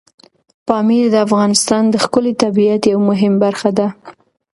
پامیر د افغانستان د ښکلي طبیعت یوه مهمه برخه ده.